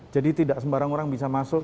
jadi tidak sembarang orang bisa masuk